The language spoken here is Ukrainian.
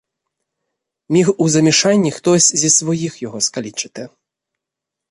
Міг у замішанні хтось зі своїх його скалічити.